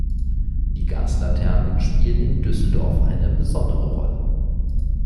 Die Gaslaternen spielen in Düsseldorf eine besondere Rolle.